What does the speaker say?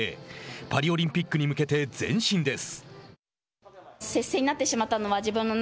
パリオリンピックに向けて前進です。